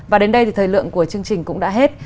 và đến đây thì thời lượng của chương trình cũng đã hết